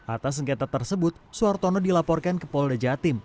atas sengketa tersebut suhartono dilaporkan ke pol dejatim